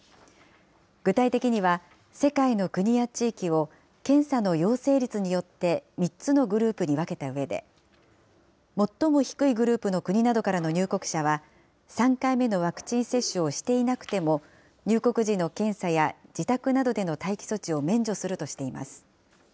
具体的には、世界の国や地域を検査の陽性率によって、３つのグループに分けたうえで、最も低いグループの国などからの入国者は、３回目のワクチン接種をしていなくても、入国時の検査や自宅などでの待機措置を免除するとしています。